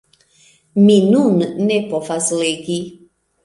Mi nun ne povas legi.